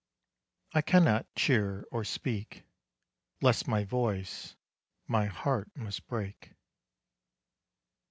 I cannot cheer or speak Lest my voice, my heart must break.